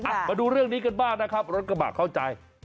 โอเคเอ้าเอาดูเรื่องนี้กันบ้างนะครับรถกระบะเข้าใจ